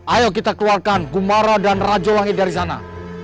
ayo kita keluarkan gumara dan rajowangi dari sana